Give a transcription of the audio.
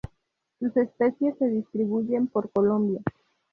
Sus especies se distribuyen por Colombia.